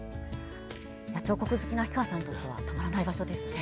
彫刻好きな秋川さんにとってはすてきな場所ですね。